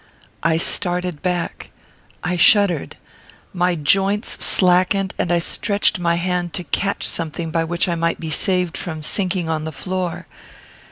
I started back. I shuddered. My joints slackened, and I stretched my hand to catch something by which I might be saved from sinking on the floor.